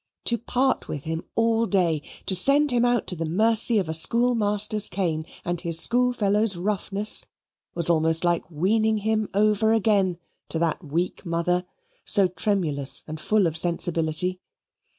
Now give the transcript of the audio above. To part with him all day, to send him out to the mercy of a schoolmaster's cane and his schoolfellows' roughness, was almost like weaning him over again to that weak mother, so tremulous and full of sensibility.